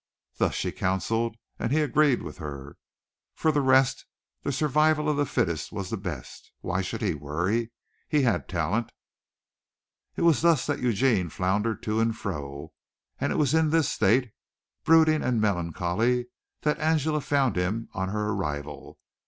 Thus she counselled, and he agreed with her. For the rest the survival of the fittest was the best. Why should he worry? He had talent. It was thus that Eugene floundered to and fro, and it was in this state, brooding and melancholy, that Angela found him on her arrival.